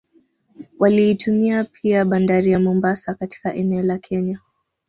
Waliitumia pia Bandari ya Mombasa katika eneo la Kenya